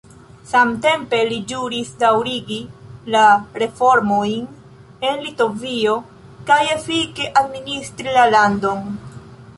Samtempe li ĵuris daŭrigi la reformojn en Litovio kaj efike administri la landon.